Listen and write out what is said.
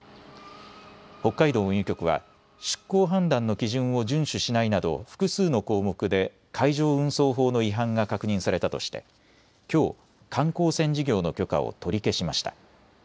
北海道運輸局は出航判断の基準を順守しないなど複数の項目で海上運送法の違反が確認されたとしてきょう、観光船事業の許可を取り消しました。